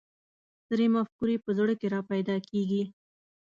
سترې مفکورې په زړه کې را پیدا کېږي.